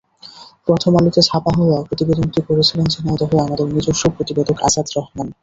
প্রথম আলোতে ছাপা হওয়া প্রতিবেদনটি করেছিলেন ঝিনাইদহে আমাদের নিজস্ব প্রতিবেদক আজাদ রহমান।